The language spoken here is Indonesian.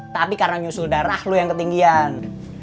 tapi karena nyusul darah lo yang ketinggian